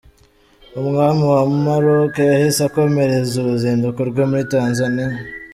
Umwami wa Maroc yahise akomereza uruzinduko rwe muri Tanzania.